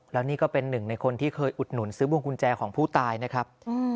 แล้วนี่ก็เป็นหนึ่งในคนที่เคยอุดหนุนซื้อบวงกุญแจของผู้ตายนะครับ